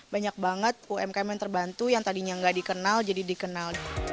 banyak banget umkm yang terbantu yang tadinya nggak dikenal jadi dikenal